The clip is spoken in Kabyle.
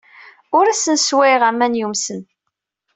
Ur asen-sswayeɣ aman yumsen.